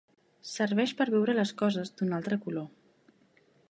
Serveix per veure les coses d'un altre color.